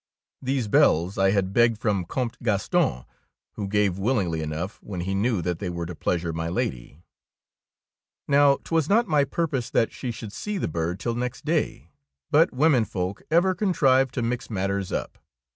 These bells I had begged from Comte Graston, who gave willingly enough when he knew that they were to pleasure my Lady. Now 't was not my purpose that she should see the bird till next day, but womenfolk ever contrive to mix mat ters up.